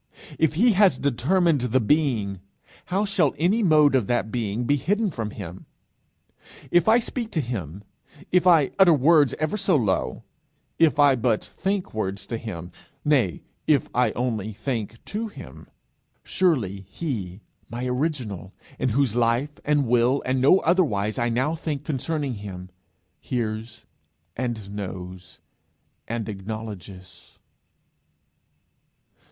If he has determined the being, how shall any mode of that being be hidden from him? If I speak to him, if I utter words ever so low; if I but think words to him; nay, if I only think to him, surely he, my original, in whose life and will and no otherwise I now think concerning him, hears, and knows, and acknowledges!